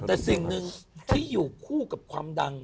แต่สิ่งหนึ่งที่อยู่คู่กับความดัง